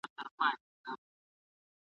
قتلګاه دپرنګيانو ,